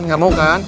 gak mau kan